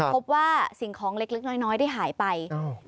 พบว่าสิ่งของเล็กน้อยได้หายไป